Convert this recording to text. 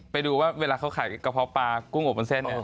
ไปดูว่าเวลาเขาขายกะพร้อปลากุ้งอบบุญเส้น